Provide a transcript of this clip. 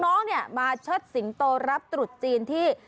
น้องเนี่ยมาเชิดสิงโตรับตรุษจีนที่